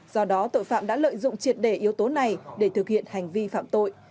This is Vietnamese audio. do đó tội phạm đã lợi dụng triệt đề yếu tố này để thực hiện hành vi phạm tội